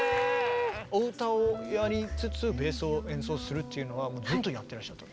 お歌をやりつつベースを演奏するっていうのはずっとやってらっしゃった？